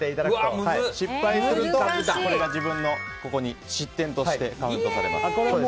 失敗すると、これが自分の失点としてカウントされます。